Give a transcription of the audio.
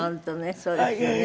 そうですよね。